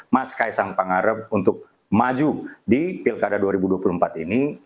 mas kaisang pangarep untuk maju di pilkada dua ribu dua puluh empat ini